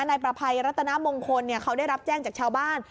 ในประภัยรัตนมงคลเนี่ยเขาได้รับแจ้งจากชาวบ้าน